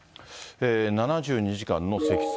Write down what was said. ７２時間の積算